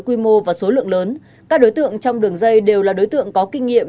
quy mô và số lượng lớn các đối tượng trong đường dây đều là đối tượng có kinh nghiệm